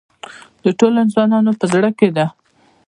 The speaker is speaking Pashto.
د ټولو انسانانو په زړه کې ده.